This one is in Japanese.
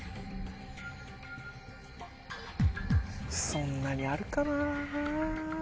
そんなにあるかなぁ。